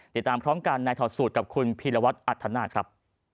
ติดตามพร้อมกันในถอดสูตรกับคุณพีรวัตรอัธนาคครับ